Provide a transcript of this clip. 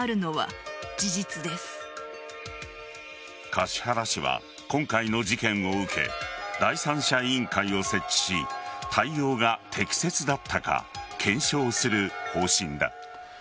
橿原市は今回の事件を受け第三者委員会を設置し対応が適切だったか検証する方針だ。